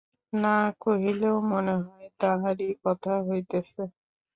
না কহিলেও মনে হয় তাহারই কথা হইতেছে।